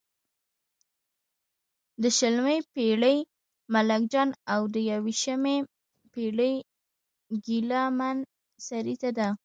د شلمې پېړۍ ملنګ جان او د یوویشمې پېړې ګیله من سریزه ده.